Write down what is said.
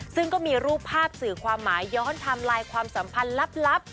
ซึ่งก็มีรูปภาพสื่อความหมายย้อนไทม์ไลน์ความสัมพันธ์ลับ